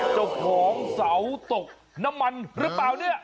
เจ้าของเสาตกน้ำมันหรือเปล่าเนี่ย